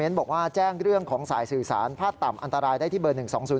บอกว่าแจ้งเรื่องของสายสื่อสารพัดต่ำอันตรายได้ที่เบอร์๑๒๐